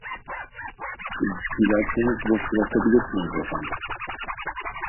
Dilerseniz boş bırakabilirsiniz efendim